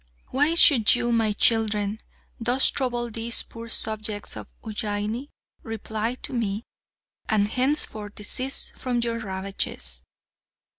"Why should you, my children, thus trouble these poor subjects of Ujjaini? Reply to me, and henceforth desist from your ravages."